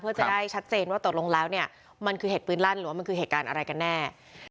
เพื่อจะได้ชัดเจนว่าตกลงแล้วเนี่ยมันคือเหตุปืนลั่นหรือว่ามันคือเหตุการณ์อะไรกันแน่